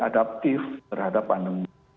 adaptif terhadap pandemi